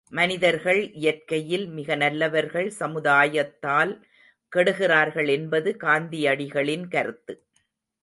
மனிதர்கள் இயற்கையில் மிக நல்லவர்கள் சமுதாயத்தால் கெடுகிறார்கள் என்பது காந்தியடிகளின் கருத்து.